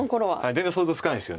全然想像つかないですよね。